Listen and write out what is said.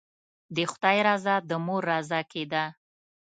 د خدای رضا د مور رضا کې ده.